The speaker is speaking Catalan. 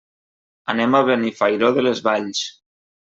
Anem a Benifairó de les Valls.